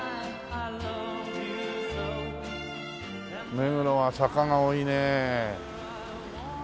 目黒は坂が多いね。